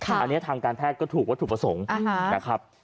อันนี้ทางการแพทย์ก็ถูกว่าถูกผสมนะครับ